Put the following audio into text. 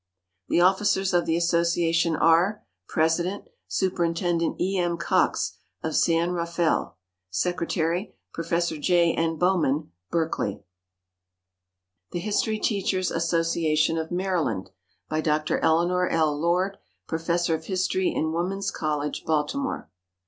The officers of the Association are: President Superintendent E. M. COX, of San Rafael. Secretary Prof. J. N. Bowman, Berkeley. THE HISTORY TEACHERS' ASSOCIATION OF MARYLAND. BY DR. ELEANOR L. LORD, Professor of History in Woman's College, Baltimore.